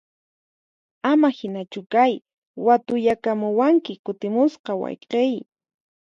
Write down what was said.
Ama hinachu kay, watuyakamuwanki kutimuspa wayqiy!